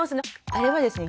あれはですね